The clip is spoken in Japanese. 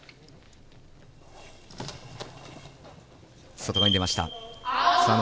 外側に出ました。